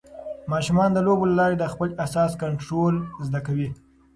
ماشومان د لوبو له لارې د خپل احساس کنټرول زده کوي.